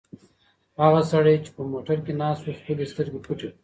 هغه سړی چې په موټر کې ناست و خپلې سترګې پټې کړې.